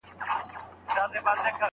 مځکي ته وګوره.